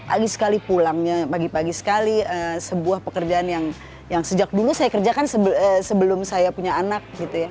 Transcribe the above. lagi sekali pulangnya pagi pagi sekali sebuah pekerjaan yang sejak dulu saya kerjakan sebelum saya punya anak gitu ya